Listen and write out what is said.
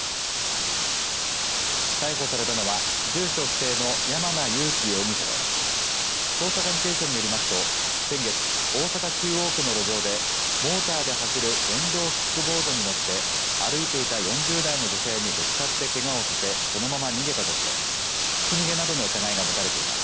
逮捕されたのは、住所不定の山名優希容疑者で捜査関係者によりますと先月大阪中央区の路上でモーターで走る電動キックボードに乗って歩いていた４０代の女性にぶつかってけがをさせそのまま逃げたとして、ひき逃げなどの疑いが持たれています。